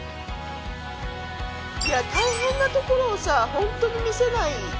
大変なところをさホントに見せない。